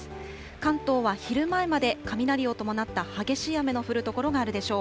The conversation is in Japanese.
関東は昼前まで、雷を伴った激しい雨の降る所があるでしょう。